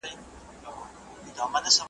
که په ټولنه کي پوهه نه وي ستونزې ډېرېږي.